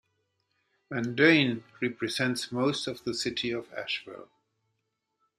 Van Duyn represents most of the city of Asheville.